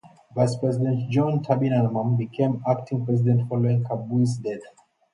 Vice-President John Tabinaman became Acting President following Kabui's death.